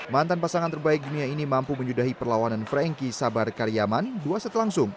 mantan pasangan terbaik dunia ini mampu menyudahi perlawanan frankie sabar karyaman dua set langsung